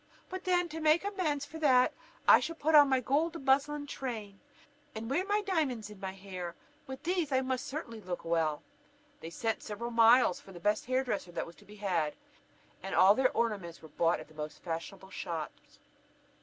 But then, to make amends for that, I shall put on my gold muslin train, and wear my diamonds in my hair; with these I must certainly look well." They sent several miles for the best hair dresser that was to be had, and all their ornaments were bought at the most fashionable shops.